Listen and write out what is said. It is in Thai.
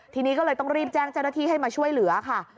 ทีนี้ก็เลยต้องรีบแจ้งเจ้าหน้าที่ให้มาช่วยเหลือค่ะ